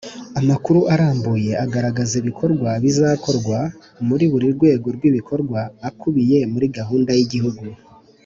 Amakuru arambuye agaragaza ibikorwa bizakorwa muri buri rwego rw ibikorwa akubiye muri gahunda y igihugu